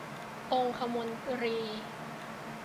องคมนตรี